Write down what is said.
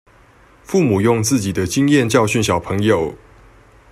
父母用自己的經驗教訓小朋友